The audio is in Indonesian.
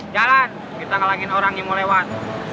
jalan kita ngelangin orang yang mulai menjengkelin kita